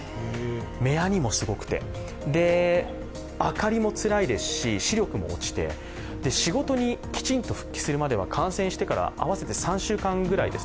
目やにもすごくて、明かりもつらいですし、視力も落ちて、仕事にきちんと復帰するまでは感染してから合わせて３週間くらいです。